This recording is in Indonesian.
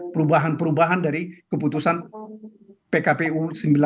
perubahan perubahan dari keputusan pkpu sembilan puluh